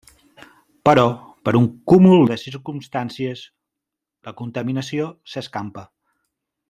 Però per un cúmul de circumstàncies, la contaminació s'escampa.